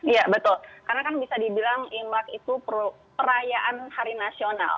iya betul karena kan bisa dibilang imlek itu perayaan hari nasional